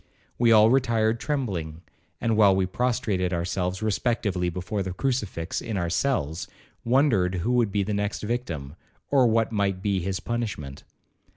We all retired trembling, and while we prostrated ourselves respectively before the crucifix in our cells, wondered who would be the next victim, or what might be his punishment.